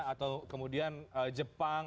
atau kemudian jepang